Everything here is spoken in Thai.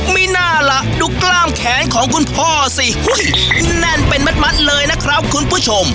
ไม่น่าล่ะดูกล้ามแขนของคุณพ่อสิแน่นเป็นมัดเลยนะครับคุณผู้ชม